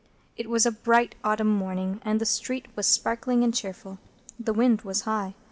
It was a bright autumn morning, and the street was sparkling and cheerful. The wind was high.